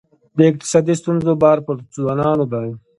د اقتصادي ستونزو بار پر ځوانانو دی.